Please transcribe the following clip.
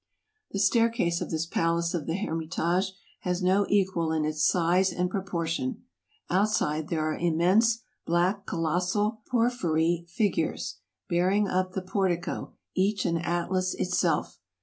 The staircase of this palace of the Hermitage has no equal in its size and proportion. Outside, there are im mense black colossal porphyry figures, bearing up the por tico, each an Atlas itself.